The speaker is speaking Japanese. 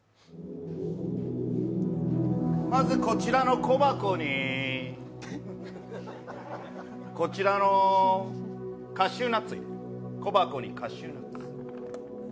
まず、こちらの小箱に、こちらのカシューナッツを入れます、小箱にカシューナッツ。